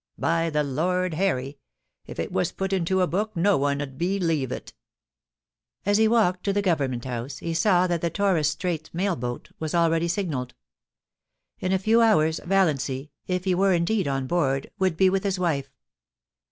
By the Lord Harry ! if it was put into a book no one 'ud be lieve it' As he walked to Government House, he saw that the Torres Straits mail boat was already signalled In a few hours Valiancy, if he were indeed on board, would be with his wife.